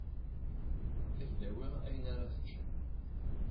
Ad k-d-awiɣ ayen ara teččeḍ.